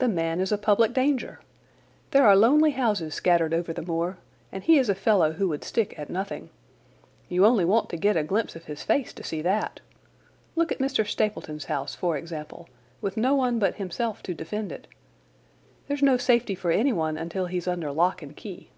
"The man is a public danger. There are lonely houses scattered over the moor, and he is a fellow who would stick at nothing. You only want to get a glimpse of his face to see that. Look at Mr. Stapleton's house, for example, with no one but himself to defend it. There's no safety for anyone until he is under lock and key."